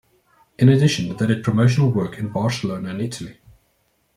In addition, they did promotional work in Barcelona and Italy.